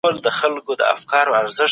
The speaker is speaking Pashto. بسم الله وکړئ.